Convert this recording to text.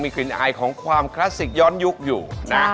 กลิ่นอายของความคลาสสิกย้อนยุคอยู่นะ